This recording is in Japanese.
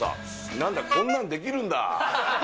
なんだ、こんなんできるんだ。